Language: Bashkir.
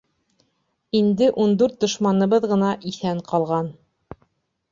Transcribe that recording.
Инде ун дүрт дошманыбыҙ ғына иҫән ҡалған.